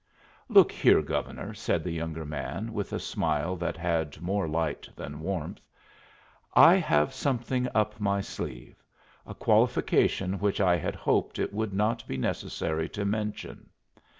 "Look here, Governor," said the younger man, with a smile that had more light than warmth: "I have something up my sleeve a qualification which I had hoped it would not be necessary to mention.